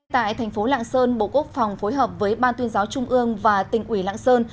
tại thành phố lạng sơn bộ quốc phòng phối hợp với ban tuyên giáo trung ương và tỉnh ủy lạng sơn